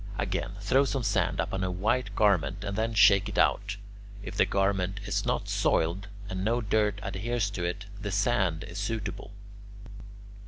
Again: throw some sand upon a white garment and then shake it out; if the garment is not soiled and no dirt adheres to it, the sand is suitable.